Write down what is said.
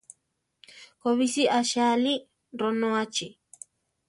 Kobísi aché aʼli, ronóachi.